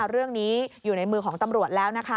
เรื่องนี้อยู่ในมือของตำรวจแล้วนะคะ